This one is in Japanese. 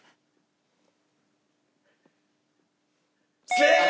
正解！